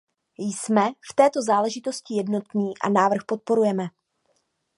Jsme v této záležitosti jednotní a návrh podporujeme.